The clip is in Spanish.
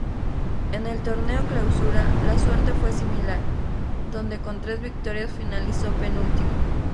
En el torneo clausura la suerte fue similar, donde con tres victorias finalizó penúltimo.